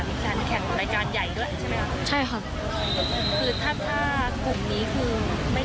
มีแฟนแข่งรายการใหญ่ด้วยใช่ไหมครับ